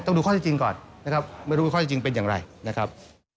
ดูข้อที่จริงก่อนนะครับไม่รู้ข้อที่จริงเป็นอย่างไรนะครับ